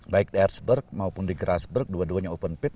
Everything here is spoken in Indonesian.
baik di airzberg maupun di grassberg dua duanya open pit